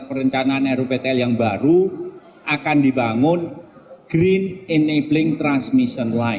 perencanaan ruptl yang baru akan dibangun green enabling transmission line